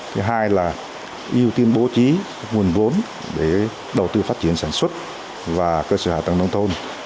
thứ hai là ưu tiên bố trí nguồn vốn để đầu tư phát triển sản xuất và cơ sở hạ tầng nông thôn